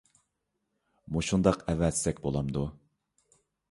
مۇشۇنداق ئەۋەتسەك بولامدۇ؟